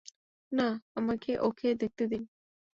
না, আমাকে ওকে দেখতে দিন!